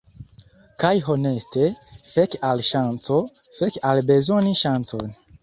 Kaj honeste, fek al ŝanco, fek al bezoni ŝancon.